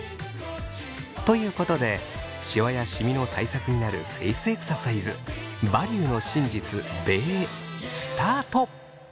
ということでシワやシミの対策になるフェイスエクササイズ「バリューの真実べー」スタート！